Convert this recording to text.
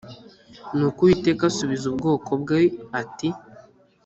Nuko Uwiteka asubiza ubwoko bwe ati